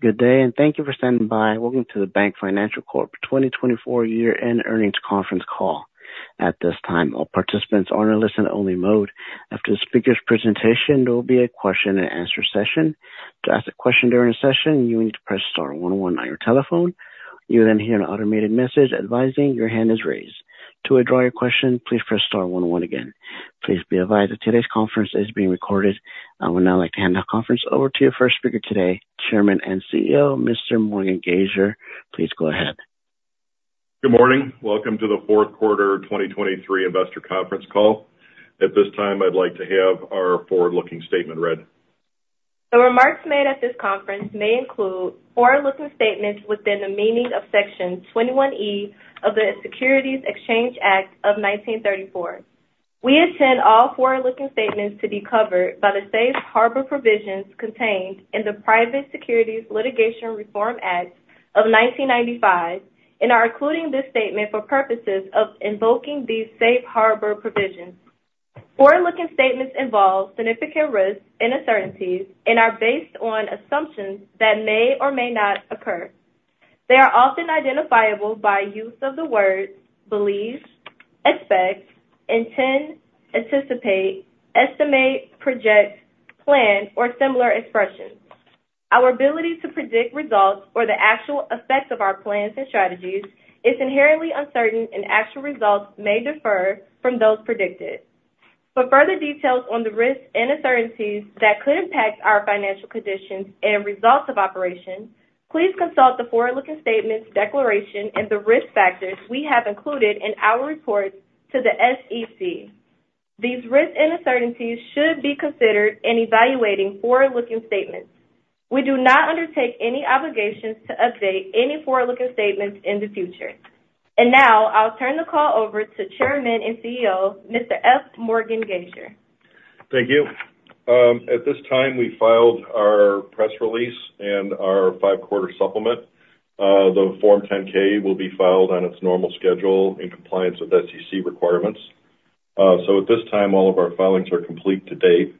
Good day, and thank you for standing by. Welcome to the BankFinancial Corp 2024 year-end earnings conference call. At this time, all participants are in a listen-only mode. After the speaker's presentation, there will be a question-and-answer session. To ask a question during the session, you need to press star one, one on your telephone. You'll then hear an automated message advising your hand is raised. To withdraw your question, please press star one one again. Please be advised that today's conference is being recorded. I would now like to hand the conference over to your first speaker today, Chairman and CEO, Mr. Morgan Gasior. Please go ahead. Good morning. Welcome to the fourth quarter 2023 investor conference call. At this time, I'd like to have our forward-looking statement read. The remarks made at this conference may include forward-looking statements within the meaning of Section 21E of the Securities Exchange Act of 1934. We intend all forward-looking statements to be covered by the safe harbor provisions contained in the Private Securities Litigation Reform Act of 1995 and are including this statement for purposes of invoking these safe harbor provisions. Forward-looking statements involve significant risks and uncertainties and are based on assumptions that may or may not occur. They are often identifiable by use of the words believes, expects, intend, anticipate, estimate, project, plan, or similar expressions. Our ability to predict results or the actual effects of our plans and strategies is inherently uncertain, and actual results may differ from those predicted. For further details on the risks and uncertainties that could impact our financial conditions and results of operations, please consult the forward-looking statements, declaration, and the risk factors we have included in our report to the SEC. These risks and uncertainties should be considered in evaluating forward-looking statements. We do not undertake any obligations to update any forward-looking statements in the future. And now I'll turn the call over to Chairman and CEO, Mr. F. Morgan Gasior. Thank you. At this time, we filed our press release and our five-quarter supplement. The Form 10-K will be filed on its normal schedule in compliance with SEC requirements. So at this time, all of our filings are complete to date.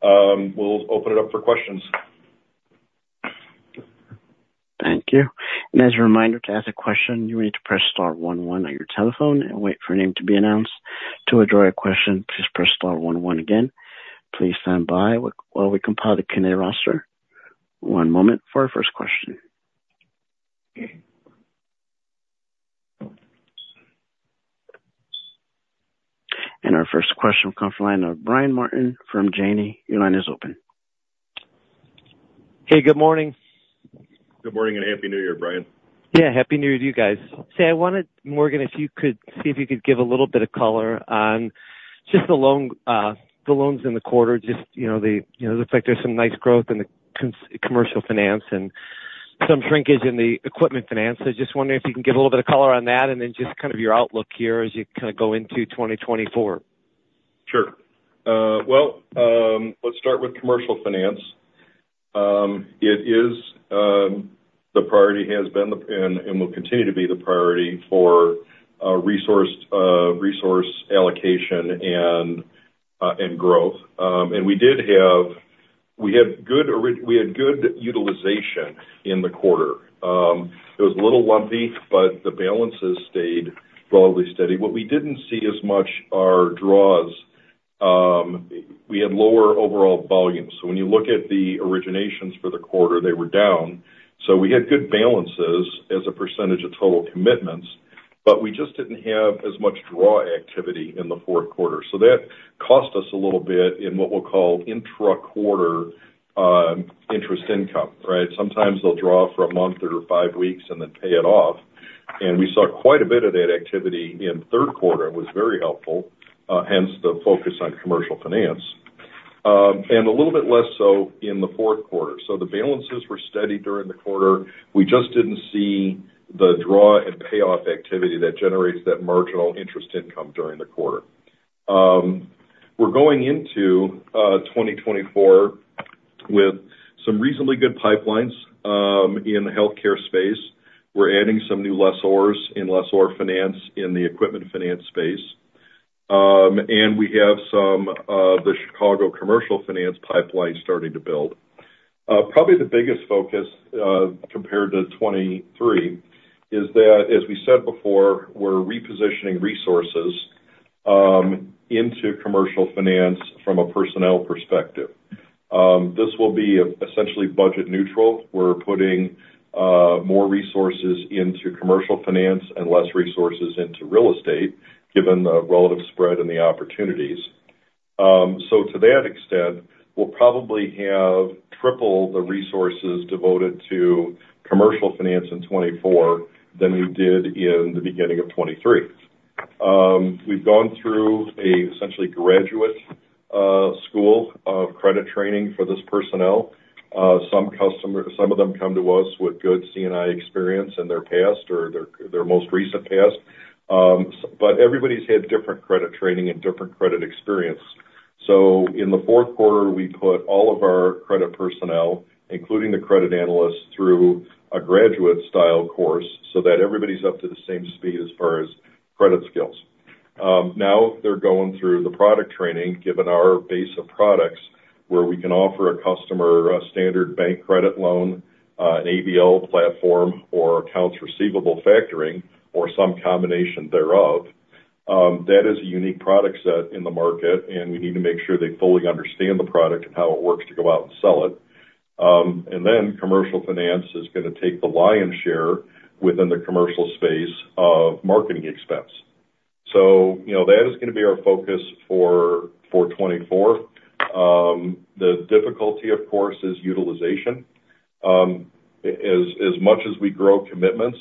We'll open it up for questions. Thank you. As a reminder, to ask a question, you need to press star one one on your telephone and wait for your name to be announced. To withdraw your question, please press star one one again. Please stand by while we compile the candidate roster. One moment for our first question. Our first question will come from the line of Brian Martin from Janney. Your line is open. Hey, good morning. Good morning, and happy New Year, Brian. Yeah, happy New Year to you guys. Say, I wanted, Morgan, if you could see if you could give a little bit of color on just the loan, the loans in the quarter, just, you know, the, you know, it looks like there's some nice growth in the Commercial Finance and some shrinkage in the Equipment Finance. So just wondering if you can give a little bit of color on that and then just kind of your outlook here as you kind of go into 2024. Sure. Well, let's start with Commercial Finance. It is, the priority has been, and will continue to be the priority for resource allocation and growth. And we had good utilization in the quarter. It was a little lumpy, but the balances stayed broadly steady. What we didn't see as much are draws. We had lower overall volume, so when you look at the originations for the quarter, they were down. So we had good balances as a percentage of total commitments, but we just didn't have as much draw activity in the fourth quarter. So that cost us a little bit in what we'll call intra-quarter interest income, right? Sometimes they'll draw for a month or five weeks and then pay it off, and we saw quite a bit of that activity in the third quarter. It was very helpful, hence the focus on Commercial Finance. And a little bit less so in the fourth quarter. So the balances were steady during the quarter. We just didn't see the draw and payoff activity that generates that marginal interest income during the quarter. We're going into 2024 with some reasonably good pipelines in the healthcare space. We're adding some new lessors in lessor finance in the Equipment Finance space. And we have some the Chicago Commercial Finance pipeline starting to build. Probably the biggest focus, compared to 2023, is that, as we said before, we're repositioning resources into Commercial Finance from a personnel perspective. This will be essentially budget neutral. We're putting more resources into Commercial Finance and less resources into real estate, given the relative spread and the opportunities. So to that extent, we'll probably have triple the resources devoted to Commercial Finance in 2024 than we did in the beginning of 2023. We've gone through an essentially graduate school of credit training for this personnel. Some of them come to us with good C&I experience in their past or their most recent past. But everybody's had different credit training and different credit experience. So in the fourth quarter, we put all of our credit personnel, including the credit analysts, through a graduate-style course so that everybody's up to the same speed as far as credit skills. Now they're going through the product training, given our base of products, where we can offer a customer a standard bank credit loan, an ABL platform, or accounts receivable factoring, or some combination thereof. That is a unique product set in the market, and we need to make sure they fully understand the product and how it works to go out and sell it. And then Commercial Finance is going to take the lion's share within the commercial space of marketing expense. So, you know, that is going to be our focus for 2024. The difficulty, of course, is utilization. As much as we grow commitments,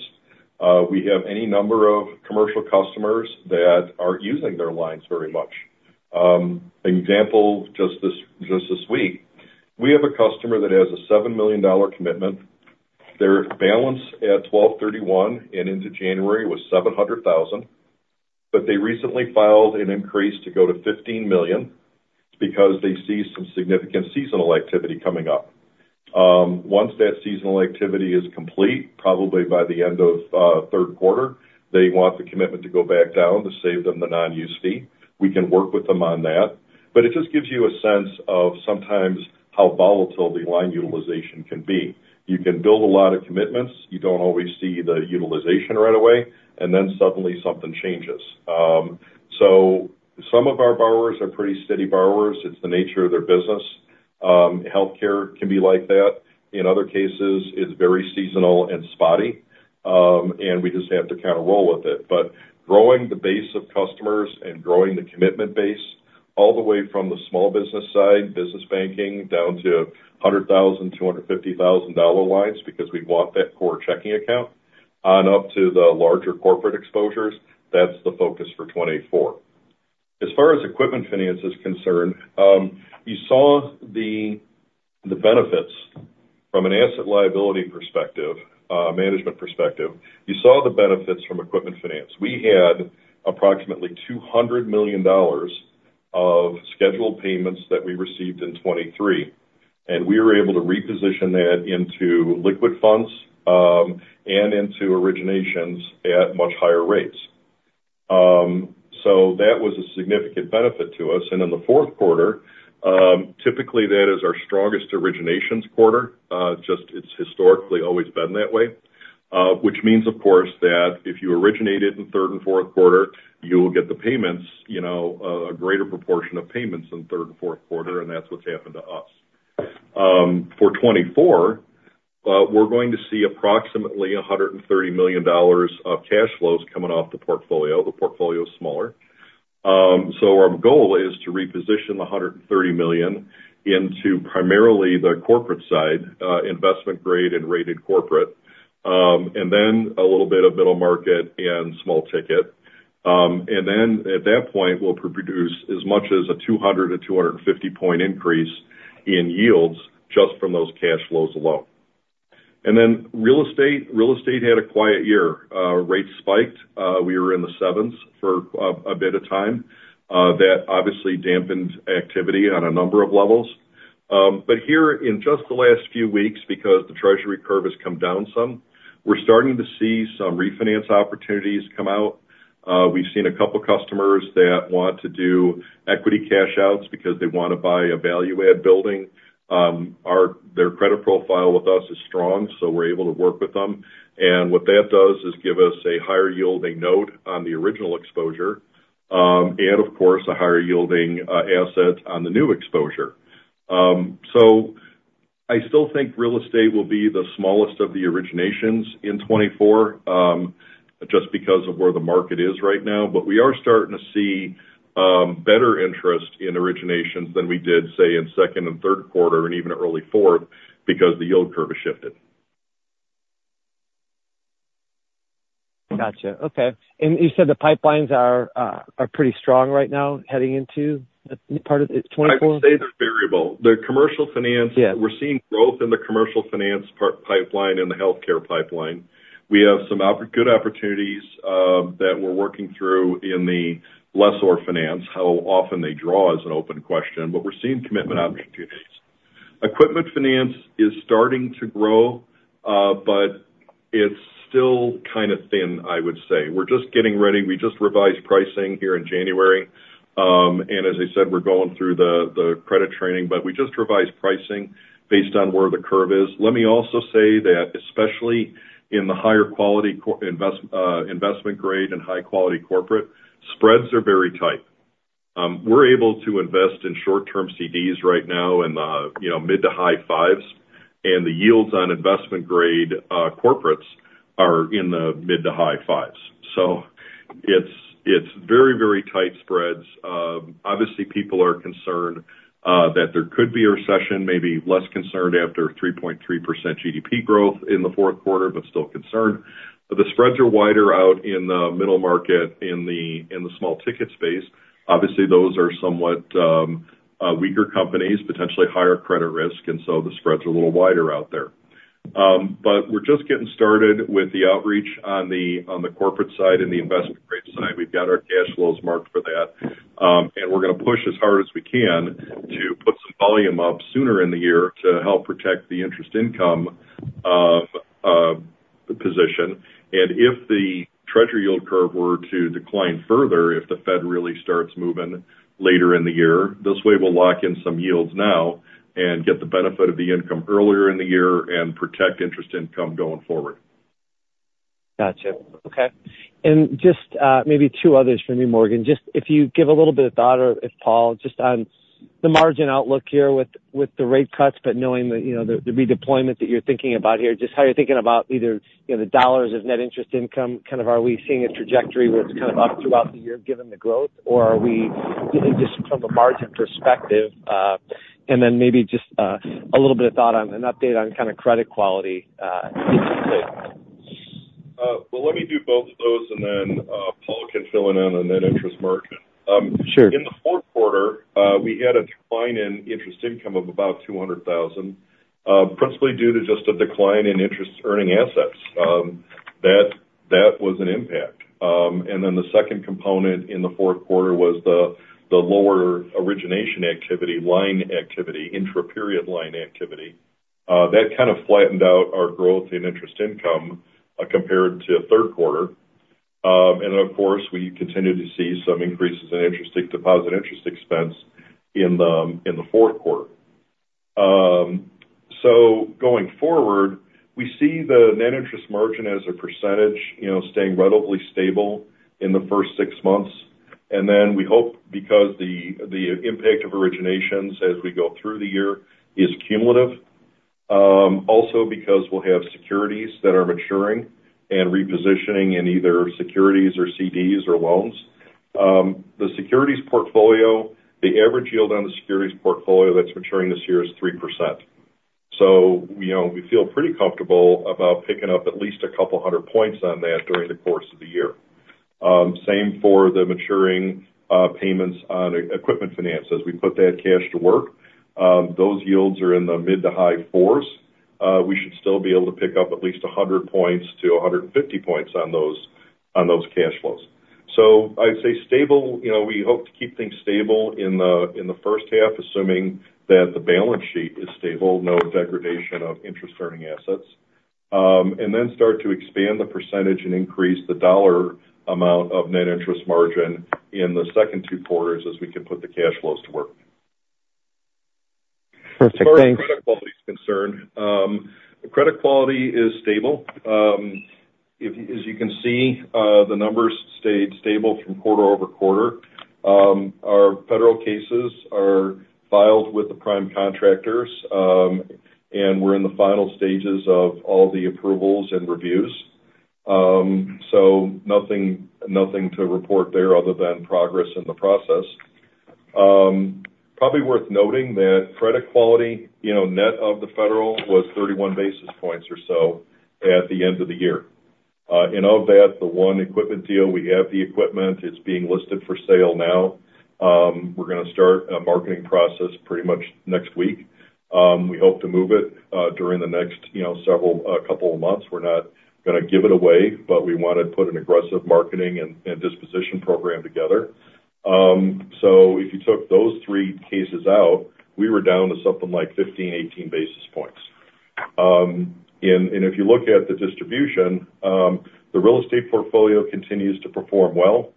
we have any number of commercial customers that aren't using their lines very much. An example, just this, just this week, we have a customer that has a $7 million commitment. Their balance at 12/31 and into January was $700,000, but they recently filed an increase to go to $15 million because they see some significant seasonal activity coming up. Once that seasonal activity is complete, probably by the end of third quarter, they want the commitment to go back down to save them the non-use fee. We can work with them on that. But it just gives you a sense of sometimes how volatile the line utilization can be. You can build a lot of commitments. You don't always see the utilization right away, and then suddenly, something changes. So some of our borrowers are pretty steady borrowers. It's the nature of their business. Healthcare can be like that. In other cases, it's very seasonal and spotty, and we just have to kind of roll with it. But growing the base of customers and growing the commitment base all the way from the small business side, business banking, down to $100,000-$250,000 lines because we want that core checking account, on up to the larger corporate exposures, that's the focus for 2024. As far as Equipment Finance is concerned, you saw the benefits from an asset liability perspective, management perspective. You saw the benefits from Equipment Finance. We had approximately $200 million of scheduled payments that we received in 2023, and we were able to reposition that into liquid funds, and into originations at much higher rates. So that was a significant benefit to us. In the fourth quarter, typically, that is our strongest originations quarter. Just, it's historically always been that way. Which means, of course, that if you originated in third and fourth quarter, you will get the payments, you know, a greater proportion of payments in third and fourth quarter, and that's what's happened to us. For 2024, we're going to see approximately $130 million of cash flows coming off the portfolio. The portfolio is smaller. So our goal is to reposition the $130 million into primarily the corporate side, investment grade and rated corporate, and then a little bit of middle market and small ticket. And then at that point, we'll produce as much as a 200-250-point increase in yields just from those cash flows alone. And then real estate, real estate had a quiet year. Rates spiked. We were in the sevens for a bit of time. That obviously dampened activity on a number of levels. But here in just the last few weeks, because the Treasury curve has come down some, we're starting to see some refinance opportunities come out. We've seen a couple customers that want to do equity cash outs because they want to buy a value-add building. Our-- their credit profile with us is strong, so we're able to work with them. And what that does is give us a higher yielding note on the original exposure, and of course, a higher yielding asset on the new exposure. So I still think real estate will be the smallest of the originations in 2024, just because of where the market is right now. But we are starting to see better interest in originations than we did, say, in second and third quarter and even early fourth, because the yield curve has shifted. Gotcha. Okay. And you said the pipelines are pretty strong right now, heading into the part of 2024? I would say they're variable. The Commercial Finance- Yeah. We're seeing growth in the Commercial Finance part pipeline and the healthcare pipeline. We have some good opportunities that we're working through in the lessor finance. How often they draw is an open question, but we're seeing commitment opportunities. Equipment finance is starting to grow, but it's still kind of thin, I would say. We're just getting ready. We just revised pricing here in January. And as I said, we're going through the credit training, but we just revised pricing based on where the curve is. Let me also say that, especially in the higher quality investment grade and high quality corporate, spreads are very tight. We're able to invest in short-term CDs right now in the, you know, mid to high-fives, and the yields on investment grade corporates are in the mid to high-fives. So it's very, very tight spreads. Obviously, people are concerned that there could be a recession, maybe less concerned after 3.3% GDP growth in the fourth quarter, but still concerned. The spreads are wider out in the middle market, in the small ticket space. Obviously, those are somewhat weaker companies, potentially higher credit risk, and so the spreads are a little wider out there. But we're just getting started with the outreach on the corporate side and the investment grade side. We've got our cash flows marked for that. And we're going to push as hard as we can to put some volume up sooner in the year to help protect the interest income of-... position. If the Treasury yield curve were to decline further, if the Fed really starts moving later in the year, this way, we'll lock in some yields now and get the benefit of the income earlier in the year and protect interest income going forward. Got you. Okay. And just, maybe two others for me, Morgan. Just if you give a little bit of thought, or if Paul, just on the margin outlook here with the rate cuts, but knowing that, you know, the redeployment that you're thinking about here, just how you're thinking about either, you know, the dollars of net interest income, kind of, are we seeing a trajectory where it's kind of up throughout the year given the growth? Or are we really just from a margin perspective, and then maybe just, a little bit of thought on an update on kind of credit quality, later? Well, let me do both of those, and then Paul can fill in on the net interest margin. Sure. In the fourth quarter, we had a decline in interest income of about $200,000, principally due to just a decline in interest earning assets. That was an impact. And then the second component in the fourth quarter was the lower origination activity, line activity, intra-period line activity. That kind of flattened out our growth in interest income, compared to third quarter. And then, of course, we continued to see some increases in interest deposit interest expense in the fourth quarter. So going forward, we see the net interest margin as a percentage, you know, staying relatively stable in the first six months. And then we hope because the impact of originations as we go through the year is cumulative, also because we'll have securities that are maturing and repositioning in either securities or CDs or loans. The securities portfolio, the average yield on the securities portfolio that's maturing this year is 3%. So you know, we feel pretty comfortable about picking up at least a couple hundred points on that during the course of the year. Same for the maturing payments on Equipment Finance. As we put that cash to work, those yields are in the mid- to high-fours. We should still be able to pick up at least 100-150 points on those cash flows. So I'd say stable. You know, we hope to keep things stable in the, in the first half, assuming that the balance sheet is stable, no degradation of interest-earning assets. And then start to expand the percentage and increase the dollar amount of net interest margin in the second two quarters, as we can put the cash flows to work. Perfect. Thanks. As far as credit quality is concerned, credit quality is stable. As you can see, the numbers stayed stable from quarter-over-quarter. Our federal cases are filed with the prime contractors, and we're in the final stages of all the approvals and reviews. So nothing to report there other than progress in the process. Probably worth noting that credit quality, you know, net of the federal, was 31 basis points or so at the end of the year. And of that, the one equipment deal, we have the equipment, it's being listed for sale now. We're gonna start a marketing process pretty much next week. We hope to move it during the next, you know, several couple of months. We're not gonna give it away, but we want to put an aggressive marketing and disposition program together. So if you took those three cases out, we were down to something like 15 basis points-18 basis points. And if you look at the distribution, the real estate portfolio continues to perform well.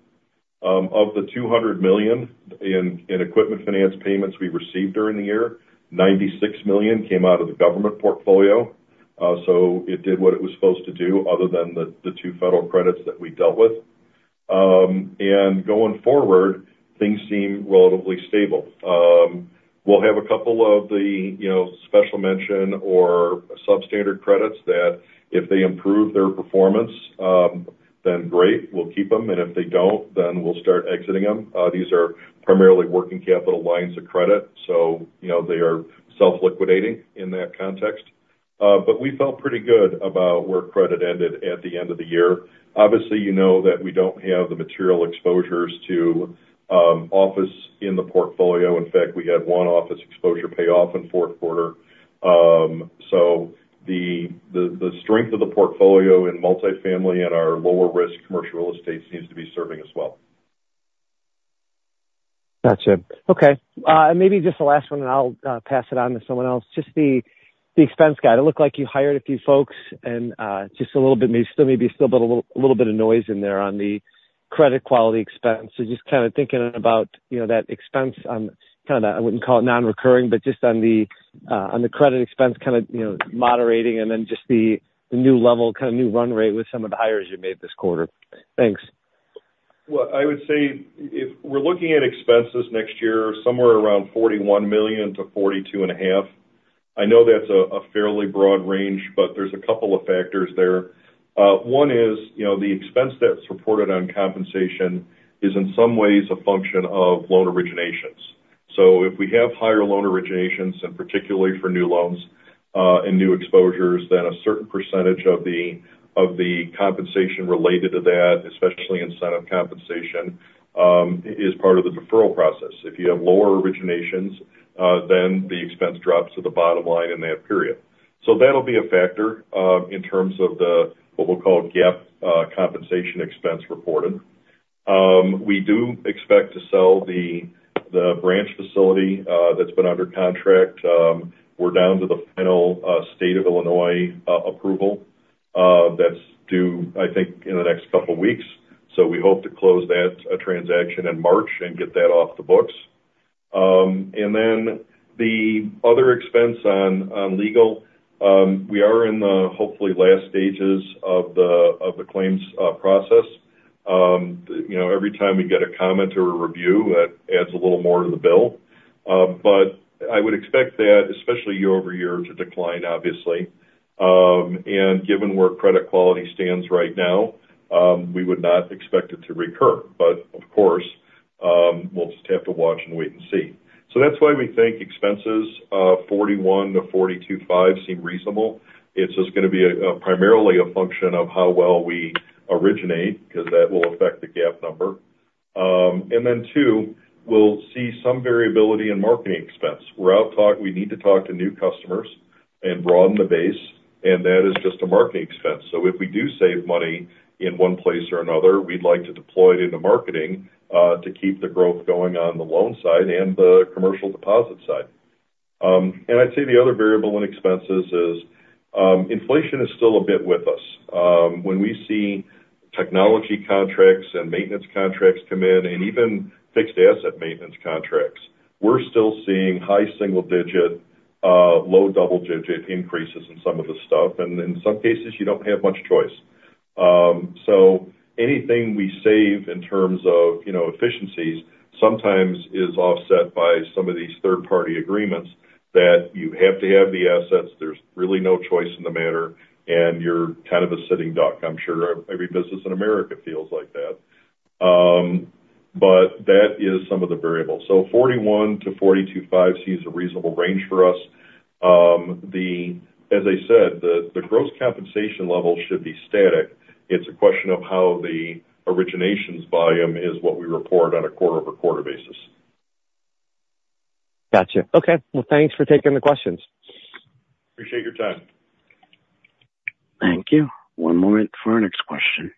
Of the $200 million in Equipment Finance payments we received during the year, $96 million came out of the government portfolio. So it did what it was supposed to do other than the two federal credits that we dealt with. And going forward, things seem relatively stable. We'll have a couple of the, you know, special mention or substandard credits that if they improve their performance, then great, we'll keep them, and if they don't, then we'll start exiting them. These are primarily working capital lines of credit, so, you know, they are self-liquidating in that context. But we felt pretty good about where credit ended at the end of the year. Obviously, you know that we don't have the material exposures to office in the portfolio. In fact, we had one office exposure pay off in fourth quarter. So the strength of the portfolio in multifamily and our lower-risk commercial real estate seems to be serving us well. Gotcha. Okay, maybe just the last one, and I'll pass it on to someone else. Just the expense guide. It looked like you hired a few folks and just a little bit, maybe still a little bit of noise in there on the credit quality expense. So just kind of thinking about, you know, that expense on kind of a. I wouldn't call it non-recurring, but just on the credit expense, kind of, you know, moderating and then just the new level, kind of new run rate with some of the hires you made this quarter. Thanks. Well, I would say if we're looking at expenses next year, somewhere around $41 million-$42.5 million. I know that's a fairly broad range, but there's a couple of factors there. One is, you know, the expense that's reported on compensation is in some ways a function of loan originations. So if we have higher loan originations, and particularly for new loans, and new exposures, then a certain percentage of the compensation related to that, especially incentive compensation, is part of the deferral process. If you have lower originations, then the expense drops to the bottom line in that period. So that'll be a factor, in terms of what we'll call GAAP compensation expense reported. We do expect to sell the branch facility that's been under contract. We're down to the final state of Illinois approval. That's due, I think, in the next couple weeks. So we hope to close that transaction in March and get that off the books. And then the other expense on legal, we are in the hopefully last stages of the claims process. You know, every time we get a comment or a review, that adds a little more to the bill. But I would expect that, especially year-over-year, to decline, obviously. And given where credit quality stands right now, we would not expect it to recur, but of course, we'll just have to watch and wait and see. So that's why we think expenses of $41-$42.5 seem reasonable. It's just gonna be primarily a function of how well we originate, because that will affect the GAAP number. And then too, we'll see some variability in marketing expense. We need to talk to new customers and broaden the base, and that is just a marketing expense. So if we do save money in one place or another, we'd like to deploy it into marketing to keep the growth going on the loan side and the commercial deposit side. And I'd say the other variable in expenses is inflation is still a bit with us. When we see technology contracts and maintenance contracts come in, and even fixed asset maintenance contracts, we're still seeing high single digit low double digit increases in some of the stuff. And in some cases, you don't have much choice. So anything we save in terms of, you know, efficiencies, sometimes is offset by some of these third-party agreements that you have to have the assets, there's really no choice in the matter, and you're kind of a sitting duck. I'm sure every business in America feels like that. But that is some of the variables. So 41-42.5 seems a reasonable range for us. As I said, the gross compensation level should be static. It's a question of how the originations volume is what we report on a quarter-over-quarter basis. Gotcha. Okay, well, thanks for taking the questions. Appreciate your time. Thank you. One moment for our next question.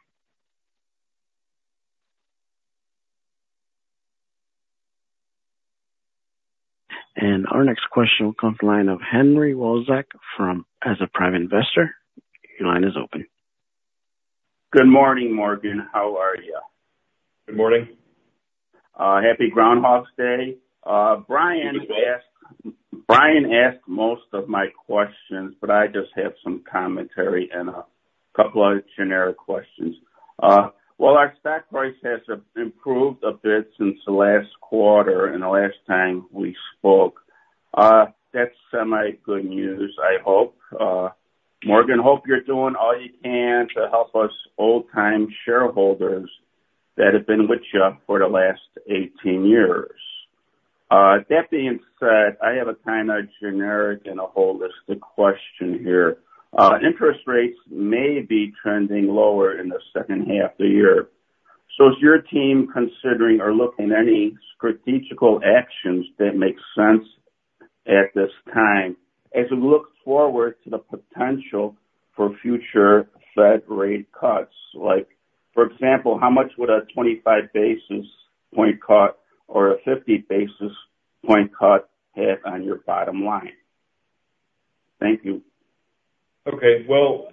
And our next question will come from the line of Henry Walczak from, as a private investor. Your line is open. Good morning, Morgan. How are you? Good morning. Happy Groundhog Day. Brian asked- You too. Brian asked most of my questions, but I just have some commentary and a couple other generic questions. Well, our stock price has improved a bit since the last quarter and the last time we spoke. That's semi-good news, I hope. Morgan, hope you're doing all you can to help us old-time shareholders that have been with you for the last 18 years. That being said, I have a kind of generic and a holistic question here. Interest rates may be trending lower in the second half of the year. So is your team considering or looking at any strategic actions that make sense at this time as we look forward to the potential for future Fed rate cuts? Like, for example, how much would a 25 basis point cut or a 50 basis point cut hit on your bottom line? Thank you. Okay. Well,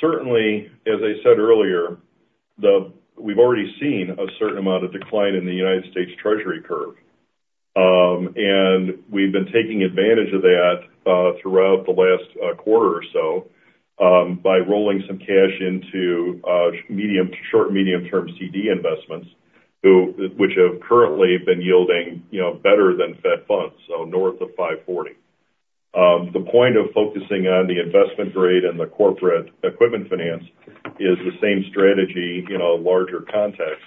certainly, as I said earlier, we've already seen a certain amount of decline in the U.S. Treasury curve. And we've been taking advantage of that, throughout the last quarter or so, by rolling some cash into medium, short-medium term CD investments, which have currently been yielding, you know, better than Fed Funds, so North of 5.40%. The point of focusing on the investment grade and the corporate Equipment Finance is the same strategy in a larger context.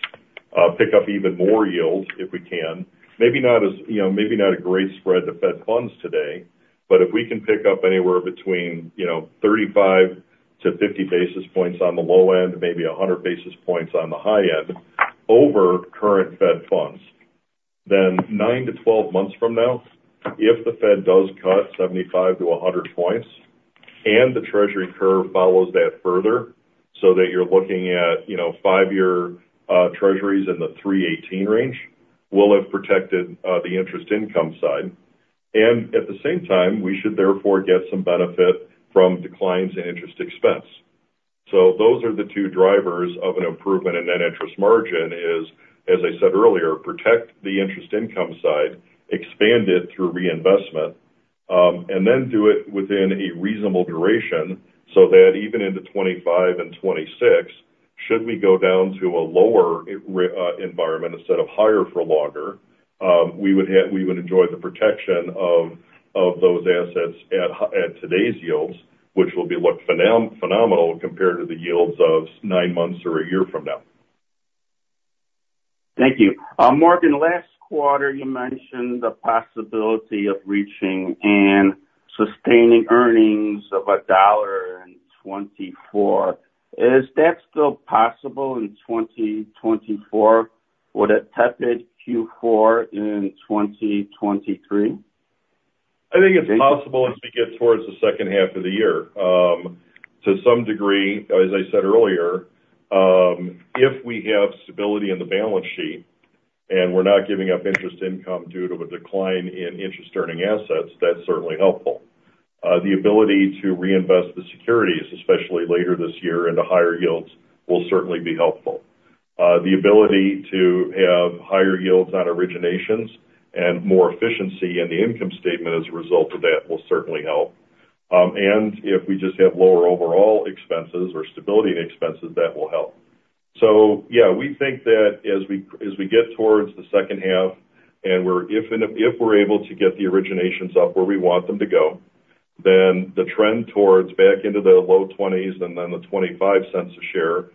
Pick up even more yields, if we can. Maybe not as, you know, maybe not a great spread to Fed Funds today, but if we can pick up anywhere between, you know, 35 basis points-50 basis points on the low end, maybe 100 basis points on the high end over current Fed Funds, then nine to 12 months from now, if the Fed does cut 75-100 points, and the Treasury curve follows that further, so that you're looking at, you know, 5-year treasuries in the 3.18 range, we'll have protected the interest income side. And at the same time, we should therefore get some benefit from declines in interest expense. So those are the two drivers of an improvement in net interest margin, is, as I said earlier, protect the interest income side, expand it through reinvestment, and then do it within a reasonable duration, so that even into 2025 and 2026, should we go down to a lower environment instead of higher for longer, we would enjoy the protection of those assets at today's yields, which will be what? Phenomenal compared to the yields of nine months or a year from now. Thank you. Morgan, last quarter, you mentioned the possibility of reaching and sustaining earnings of $1 in 2024. Is that still possible in 2024 with a tepid Q4 in 2023? I think it's possible as we get towards the second half of the year. To some degree, as I said earlier, if we have stability in the balance sheet and we're not giving up interest income due to a decline in interest-earning assets, that's certainly helpful. The ability to reinvest the securities, especially later this year into higher yields, will certainly be helpful. The ability to have higher yields on originations and more efficiency in the income statement as a result of that will certainly help. And if we just have lower overall expenses or stability in expenses, that will help. So yeah, we think that as we get towards the second half and if we're able to get the originations up where we want them to go, then the trend towards back into the low 20s and then the $0.25 a share,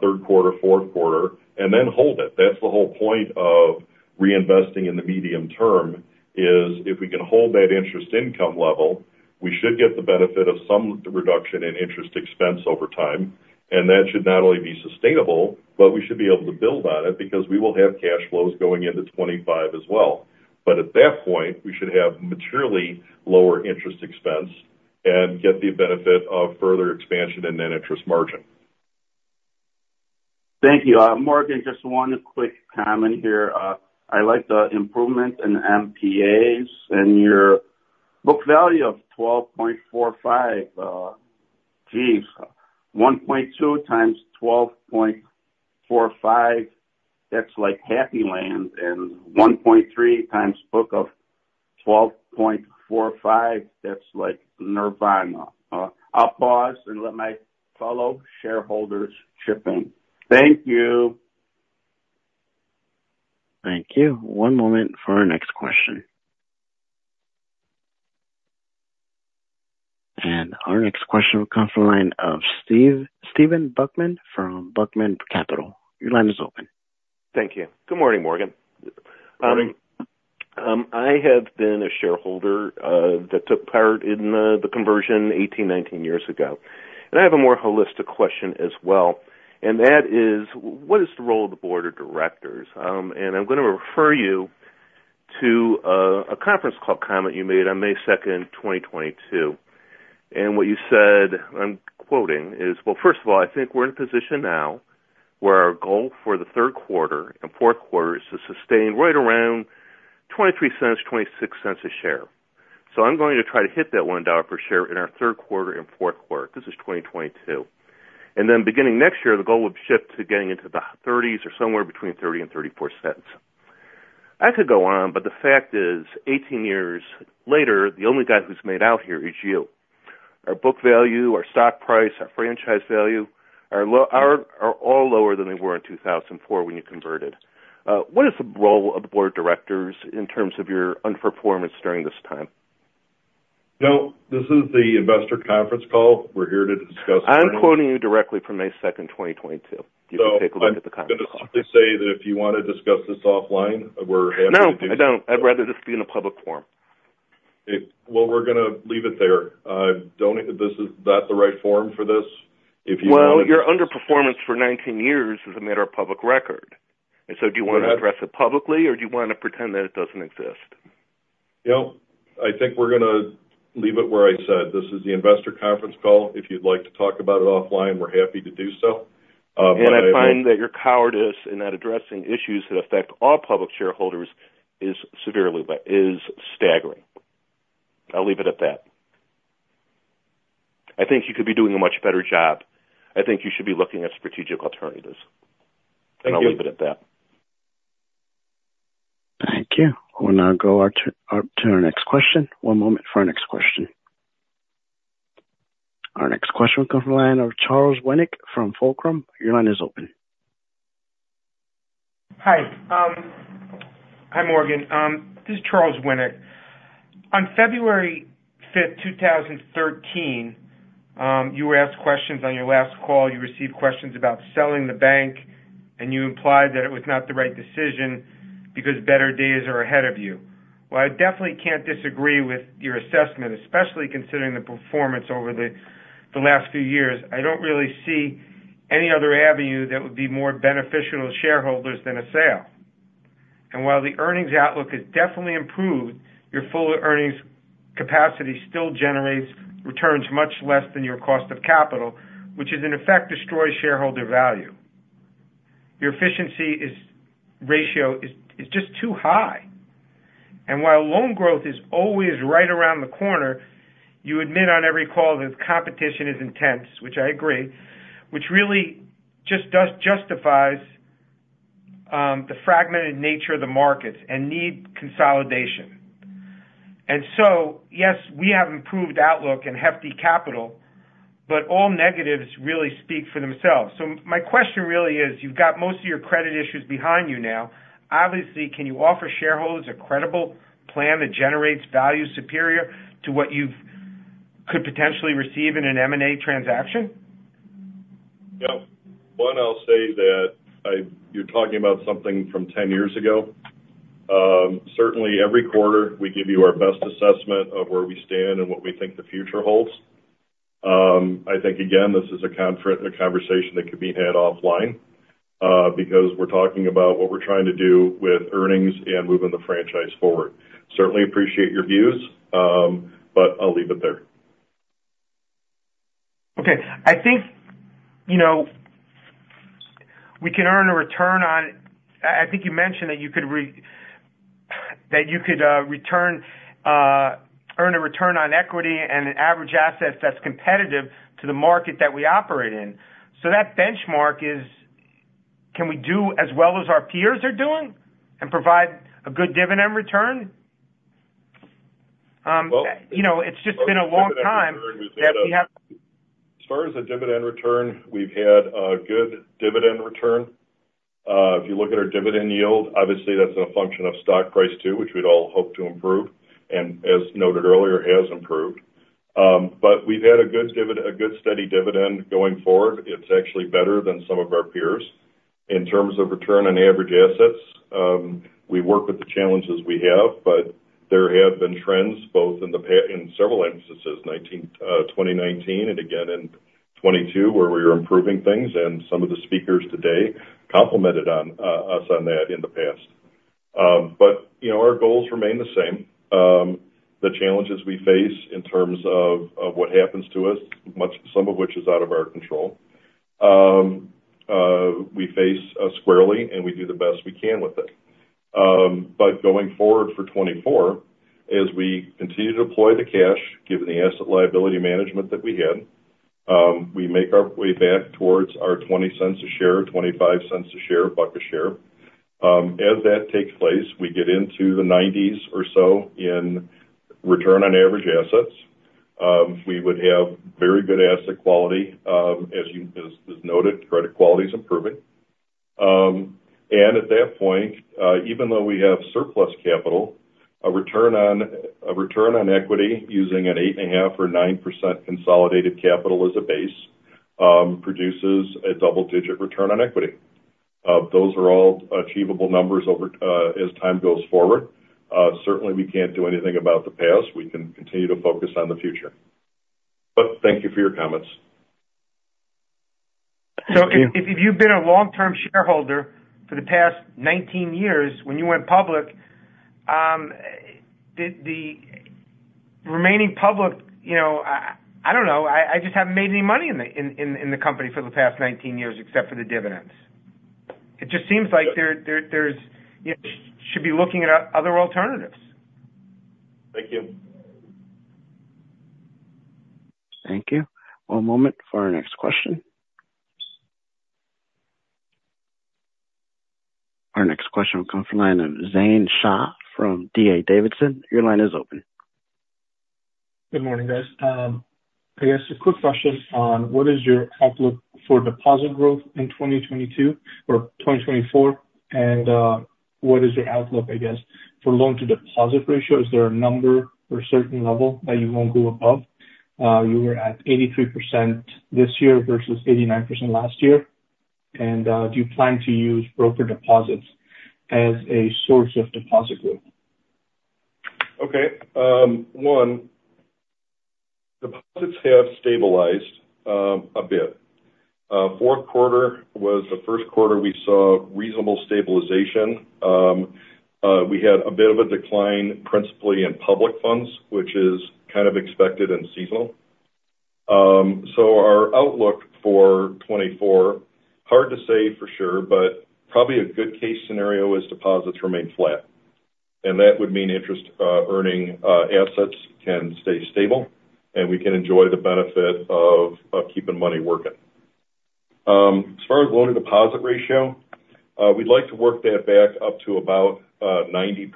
third quarter, fourth quarter, and then hold it. That's the whole point of reinvesting in the medium term, is if we can hold that interest income level, we should get the benefit of some reduction in interest expense over time. And that should not only be sustainable, but we should be able to build on it because we will have cash flows going into 2025 as well. But at that point, we should have materially lower interest expense and get the benefit of further expansion and net interest margin. Thank you. Morgan, just one quick comment here. I like the improvement in NPAs and your book value of $12.45. Geez, 1.2x $12.45, that's like happy land, and 1.3x book of $12.45, that's like nirvana. I'll pause and let my fellow shareholders chip in. Thank you. Thank you. One moment for our next question. Our next question comes from the line of Stephen Buckman from Buckman Capital. Your line is open. Thank you. Good morning, Morgan. Morning. I have been a shareholder that took part in the conversion 18-19 years ago, and I have a more holistic question as well. That is, what is the role of the board of directors? And I'm going to refer you to a conference call comment you made on May 2nd, 2022. What you said, I'm quoting, is: "Well, first of all, I think we're in a position now where our goal for the third quarter and fourth quarter is to sustain right around $0.23-$0.26 a share. So I'm going to try to hit that $1 per share in our third quarter and fourth quarter." This is 2022. And then beginning next year, the goal will shift to getting into the 30s or somewhere between $0.30 and $0.34." I could go on, but the fact is, 18 years later, the only guy who's made out here is you. Our book value, our stock price, our franchise value are all lower than they were in 2004 when you converted. What is the role of the board of directors in terms of your underperformance during this time? Now, this is the investor conference call. We're here to discuss- I'm quoting you directly from May 2nd, 2022. You can take a look at the comments. I'm going to simply say that if you want to discuss this offline, we're happy to do- No, I don't. I'd rather this be in a public forum. Well, we're gonna leave it there. I don't... This is not the right forum for this. If you- Well, your underperformance for 19 years is a matter of public record. And so do you want to address it publicly, or do you want to pretend that it doesn't exist? You know, I think we're gonna leave it where I said. This is the investor conference call. If you'd like to talk about it offline, we're happy to do so. But I- I find that your cowardice in not addressing issues that affect all public shareholders is staggering. I'll leave it at that. I think you could be doing a much better job. I think you should be looking at strategic alternatives. Thank you. I'll leave it at that. Thank you. We'll now go out to our next question. One moment for our next question. Our next question will come from the line of Charles Winnick from Fulcrum. Your line is open. Hi. Hi, Morgan. This is Charles Winnick. On February 5th, 2013, you were asked questions on your last call. You received questions about selling the bank, and you implied that it was not the right decision because better days are ahead of you. Well, I definitely can't disagree with your assessment, especially considering the performance over the last few years. I don't really see any other avenue that would be more beneficial to shareholders than a sale. And while the earnings outlook has definitely improved, your full earnings capacity still generates returns much less than your cost of capital, which in effect, destroys shareholder value. Your efficiency ratio is just too high. While loan growth is always right around the corner, you admit on every call that competition is intense, which I agree, which really just does justify the fragmented nature of the markets and need consolidation. So, yes, we have improved outlook and hefty capital, but all negatives really speak for themselves. My question really is: You've got most of your credit issues behind you now. Obviously, can you offer shareholders a credible plan that generates value superior to what you could potentially receive in an M&A transaction? Yeah. One, I'll say that you're talking about something from 10 years ago. Certainly, every quarter, we give you our best assessment of where we stand and what we think the future holds.... I think, again, this is a conversation that could be had offline, because we're talking about what we're trying to do with earnings and moving the franchise forward. Certainly appreciate your views, but I'll leave it there. Okay. I think, you know, I think you mentioned that you could earn a return on equity and average assets that's competitive to the market that we operate in. So that benchmark is, can we do as well as our peers are doing and provide a good dividend return? You know, it's just been a long time that we have- As far as the dividend return, we've had a good dividend return. If you look at our dividend yield, obviously that's a function of stock price, too, which we'd all hope to improve, and as noted earlier, has improved. But we've had a good, steady dividend going forward. It's actually better than some of our peers. In terms of return on average assets, we work with the challenges we have, but there have been trends both in several instances, 2019 and again in 2022, where we were improving things, and some of the speakers today complimented us on that in the past. But, you know, our goals remain the same. The challenges we face in terms of what happens to us, some of which is out of our control, we face squarely, and we do the best we can with it. But going forward for 2024, as we continue to deploy the cash, given the asset liability management that we had, we make our way back towards our $0.20 a share, $0.25 a share, $1 a share. As that takes place, we get into the 90s or so in return on average assets. We would have very good asset quality. As noted, credit quality is improving. At that point, even though we have surplus capital, a return on, a return on equity using an 8.5% or 9% consolidated capital as a base, produces a double-digit return on equity. Those are all achievable numbers over, as time goes forward. Certainly, we can't do anything about the past. We can continue to focus on the future. But thank you for your comments. So if you've been a long-term shareholder for the past 19 years when you went public, did the remaining public, you know, I don't know, I just haven't made any money in the company for the past 19 years, except for the dividends. It just seems like there's you should be looking at other alternatives. Thank you. Thank you. One moment for our next question. Our next question will come from the line of Zain Shah from D.A. Davidson. Your line is open. Good morning, guys. I guess a quick question on what is your outlook for deposit growth in 2022 or 2024? And, what is the outlook, I guess, for loan to deposit ratio? Is there a number or a certain level that you won't go above? You were at 83% this year versus 89% last year. And, do you plan to use broker deposits as a source of deposit growth? Okay. Deposits have stabilized a bit. Fourth quarter was the first quarter we saw reasonable stabilization. We had a bit of a decline, principally in public funds, which is kind of expected and seasonal. So our outlook for 2024, hard to say for sure, but probably a good case scenario is deposits remain flat, and that would mean interest earning assets can stay stable, and we can enjoy the benefit of, of keeping money working. As far as loan to deposit ratio, we'd like to work that back up to about 90%.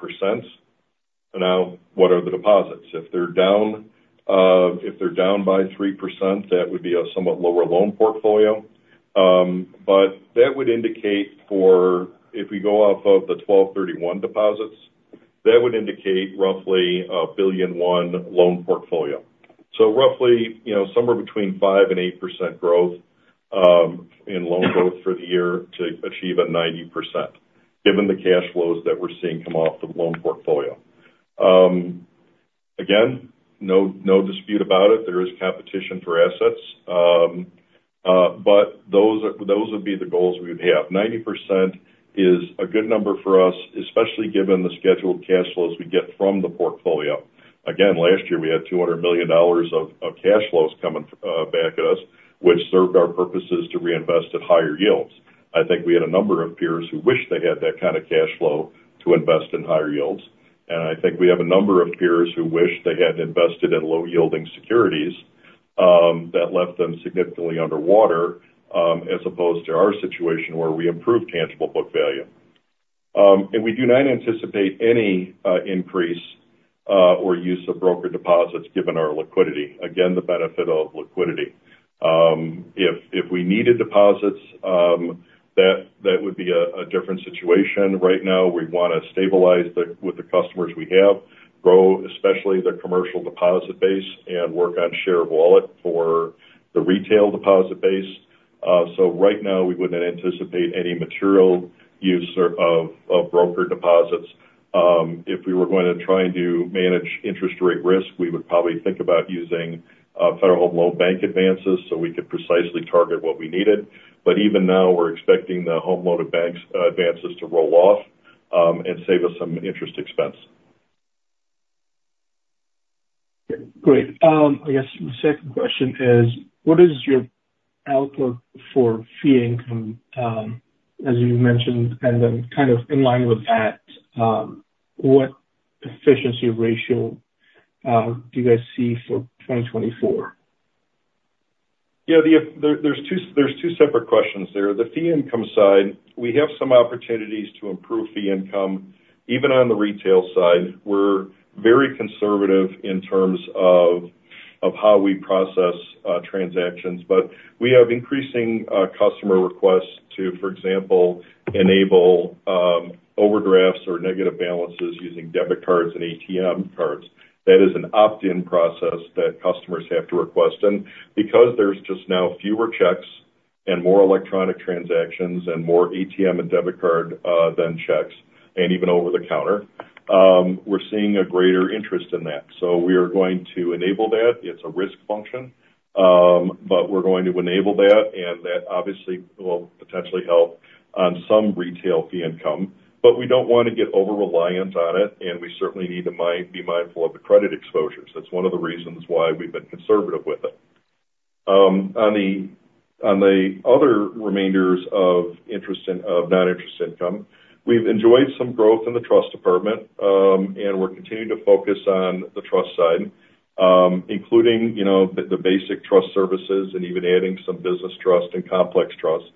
Now, what are the deposits? If they're down, if they're down by 3%, that would be a somewhat lower loan portfolio. But that would indicate for if we go off of the 12/31 deposits, that would indicate roughly a $1.1 billion loan portfolio. So roughly, you know, somewhere between 5%-8% growth, in loan growth for the year to achieve a 90%, given the cash flows that we're seeing come off the loan portfolio. Again, no, no dispute about it. There is competition for assets. But those, those would be the goals we would have. 90% is a good number for us, especially given the scheduled cash flows we get from the portfolio. Again, last year, we had $200 million of cash flows coming back at us, which served our purposes to reinvest at higher yields. I think we had a number of peers who wished they had that kind of cash flow to invest in higher yields. And I think we have a number of peers who wish they hadn't invested in low-yielding securities that left them significantly underwater, as opposed to our situation, where we improved tangible book value. And we do not anticipate any increase or use of broker deposits given our liquidity. Again, the benefit of liquidity. If we needed deposits, that would be a different situation. Right now, we want to stabilize with the customers we have, grow, especially the commercial deposit base, and work on share of wallet for the retail deposit base. So right now, we wouldn't anticipate any material use of broker deposits. If we were going to try and do manage interest rate risk, we would probably think about using Federal Home Loan Bank Advances, so we could precisely target what we needed. But even now, we're expecting the Home Loan Advances to roll off, and save us some interest expense. Great. I guess the second question is, what is your outlook for fee income, as you mentioned, and then kind of in line with that, what efficiency ratio do you guys see for 2024? Yeah, there, there's two separate questions there. The fee income side, we have some opportunities to improve fee income. Even on the retail side, we're very conservative in terms of how we process transactions, but we have increasing customer requests to, for example, enable overdrafts or negative balances using debit cards and ATM cards. That is an opt-in process that customers have to request, and because there's just now fewer checks and more electronic transactions and more ATM and debit card than checks and even over the counter, we're seeing a greater interest in that. So we are going to enable that. It's a risk function, but we're going to enable that, and that obviously will potentially help on some retail fee income. But we don't want to get over reliant on it, and we certainly need to be mindful of the credit exposures. That's one of the reasons why we've been conservative with it. On the other remainders of interest in of non-interest income, we've enjoyed some growth in the trust department, and we're continuing to focus on the trust side, including, you know, the basic trust services and even adding some business trust and complex trusts.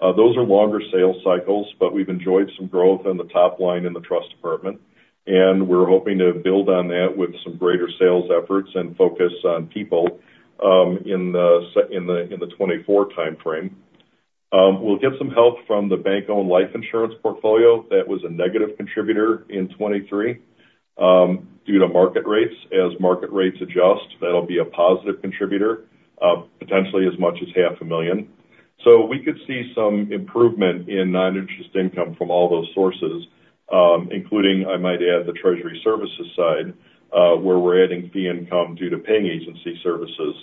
Those are longer sales cycles, but we've enjoyed some growth on the top line in the trust department, and we're hoping to build on that with some greater sales efforts and focus on people in the 2024 timeframe. We'll get some help from the bank-owned life insurance portfolio. That was a negative contributor in 2023 due to market rates. As market rates adjust, that'll be a positive contributor, potentially as much as $500,000. So we could see some improvement in non-interest income from all those sources, including, I might add, the Treasury Services side, where we're adding fee income due to paying agency services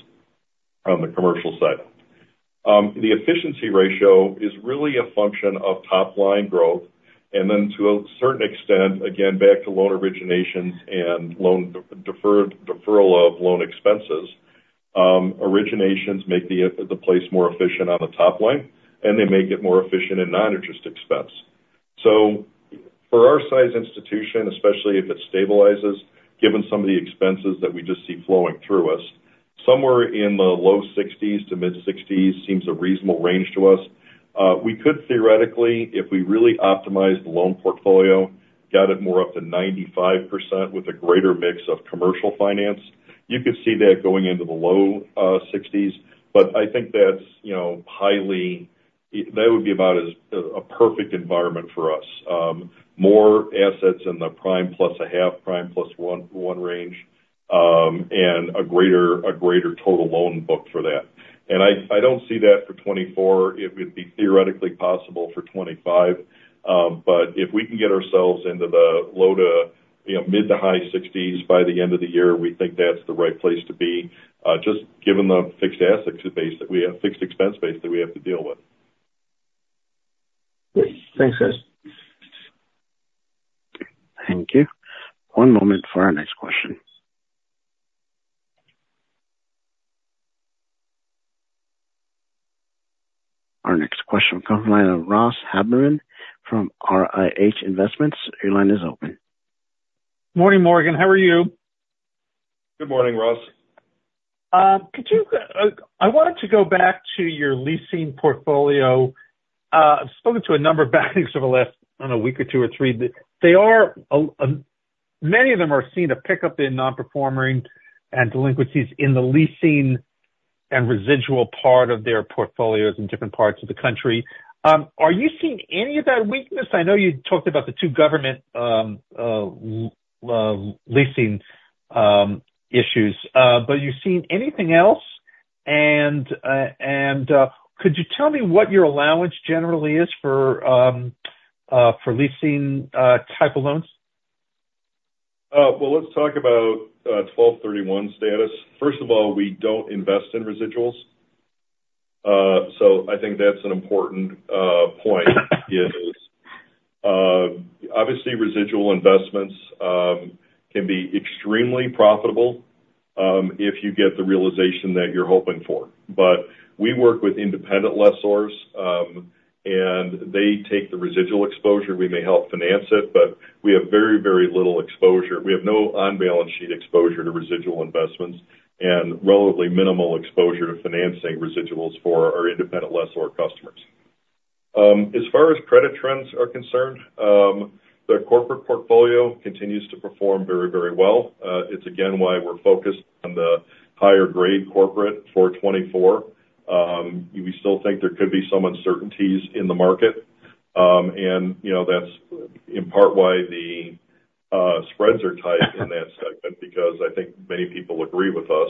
on the commercial side. The efficiency ratio is really a function of top line growth, and then, to a certain extent, again, back to loan originations and loan deferral of loan expenses. Originations make the place more efficient on the top line, and they make it more efficient in non-interest expense. So for our size institution, especially if it stabilizes, given some of the expenses that we just see flowing through us, somewhere in the low 60s to mid-60s seems a reasonable range to us. We could theoretically, if we really optimized the loan portfolio, got it more up to 95% with a greater mix of Commercial Finance, you could see that going into the low 60s. But I think that's, you know, highly. That would be about as a perfect environment for us. More assets in the prime, plus a half prime, plus one, one range, and a greater total loan book for that. And I don't see that for 2024. It would be theoretically possible for 2025, but if we can get ourselves into the low- to mid- to high 60s by the end of the year, we think that's the right place to be, just given the fixed asset base that we have, fixed expense base that we have to deal with. Thanks, guys. Thank you. One moment for our next question. Our next question will come from the line of Ross Haberman from RLH Investments. Your line is open. Morning, Morgan. How are you? Good morning, Ross. I wanted to go back to your leasing portfolio. I've spoken to a number of banks over the last, I don't know, week or two or three. Many of them are seeing a pickup in non-performing and delinquencies in the leasing and residual part of their portfolios in different parts of the country. Are you seeing any of that weakness? I know you talked about the two government leasing issues, but are you seeing anything else? And could you tell me what your allowance generally is for leasing type of loans? Well, let's talk about 12/31 status. First of all, we don't invest in residuals. So I think that's an important point is, obviously residual investments can be extremely profitable if you get the realization that you're hoping for. But we work with independent lessors, and they take the residual exposure. We may help finance it, but we have very, very little exposure. We have no on-balance sheet exposure to residual investments and relatively minimal exposure to financing residuals for our independent lessor customers. As far as credit trends are concerned, the corporate portfolio continues to perform very, very well. It's again, why we're focused on the higher grade corporate for 2024. We still think there could be some uncertainties in the market. And, you know, that's in part why the-... Spreads are tight in that segment because I think many people agree with us.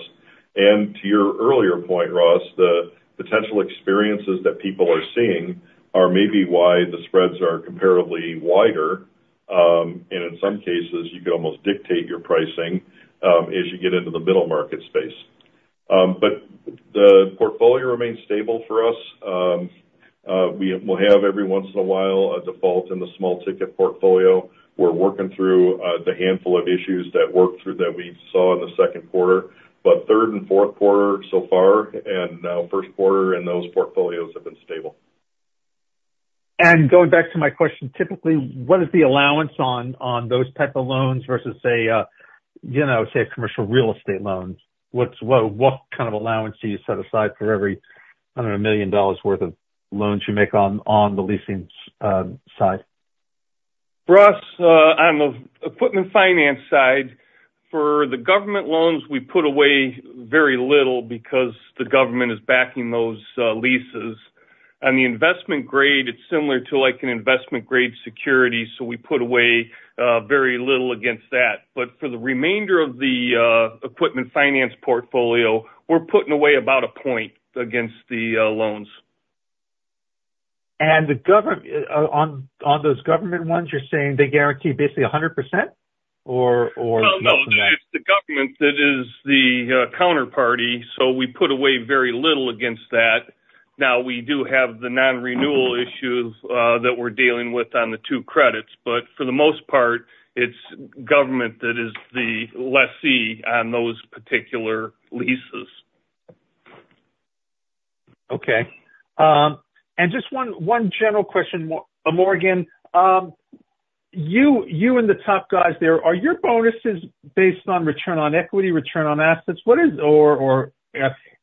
And to your earlier point, Ross, the potential experiences that people are seeing are maybe why the spreads are comparatively wider. And in some cases, you can almost dictate your pricing, as you get into the middle market space. But the portfolio remains stable for us. We'll have every once in a while, a default in the small ticket portfolio. We're working through the handful of issues that worked through that we saw in the second quarter. But third and fourth quarter so far and now first quarter in those portfolios have been stable. And going back to my question, typically, what is the allowance on those type of loans versus, say, you know, commercial real estate loans? What kind of allowance do you set aside for every, I don't know, $1 million worth of loans you make on the leasing side? For us, on the Equipment Finance side, for the government loans, we put away very little because the government is backing those leases. On the investment grade, it's similar to like an investment grade security, so we put away very little against that. But for the remainder of the Equipment Finance portfolio, we're putting away about a point against the loans. On those government ones, you're saying they guarantee basically 100% or nothing? Well, no, it's the government that is the counterparty, so we put away very little against that. Now, we do have the non-renewal issues that we're dealing with on the two credits, but for the most part, it's government that is the lessee on those particular leases. Okay. And just one general question, Morgan. You and the top guys there, are your bonuses based on return on equity, return on assets? What is, Or,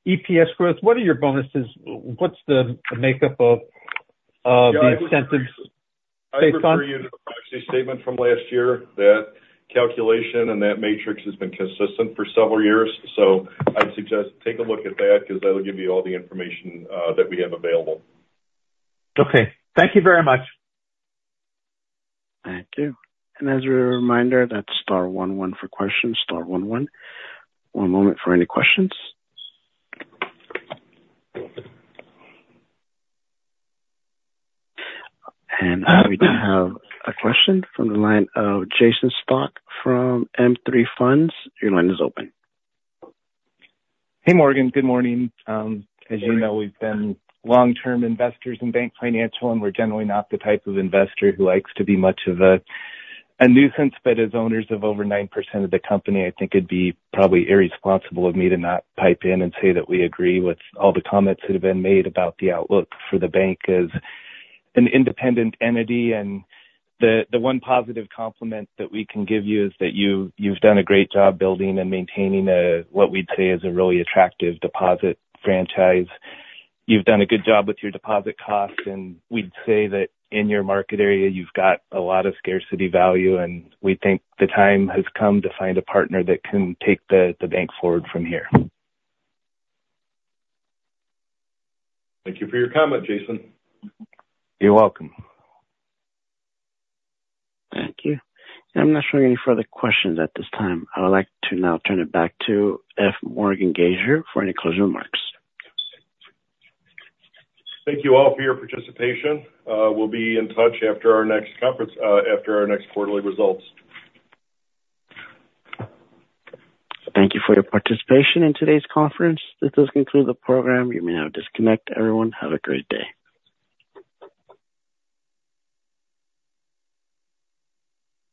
EPS growth. What are your bonuses? What's the makeup of the incentive-based funds? I'd refer you to the privacy statement from last year. That calculation and that matrix has been consistent for several years. So I'd suggest take a look at that because that'll give you all the information, that we have available. Okay. Thank you very much. Thank you. As a reminder, that's star one one for questions, star one one. One moment for any questions. We do have a question from the line of Jason Stock from M3 Funds. Your line is open. Hey, Morgan. Good morning. As you know, we've been long-term investors in BankFinancial, and we're generally not the type of investor who likes to be much of a nuisance. But as owners of over 9% of the company, I think it'd be probably irresponsible of me to not pipe in and say that we agree with all the comments that have been made about the outlook for the bank as an independent entity. And the one positive compliment that we can give you is that you've done a great job building and maintaining what we'd say is a really attractive deposit franchise. You've done a good job with your deposit costs, and we'd say that in your market area, you've got a lot of scarcity value, and we think the time has come to find a partner that can take the bank forward from here. Thank you for your comment, Jason. You're welcome. Thank you. I'm not showing any further questions at this time. I would like to now turn it back to F. Morgan Gasior for any closing remarks. Thank you all for your participation. We'll be in touch after our next conference, after our next quarterly results. Thank you for your participation in today's conference. This does conclude the program. You may now disconnect. Everyone, have a great day.